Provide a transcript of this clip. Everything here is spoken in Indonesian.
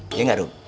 iya gak rum